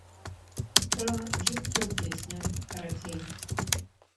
Пра жыццё песня, карацей!